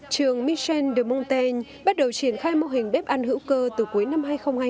trường michel de monteng bắt đầu triển khai mô hình bếp ăn hữu cơ từ cuối năm hai nghìn hai mươi